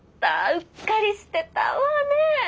うっかりしてたわねえ？